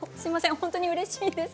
本当にうれしいです。